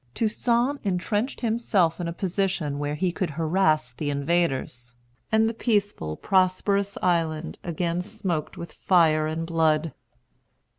Toussaint entrenched himself in a position where he could harass the invaders; and the peaceful, prosperous island again smoked with fire and blood.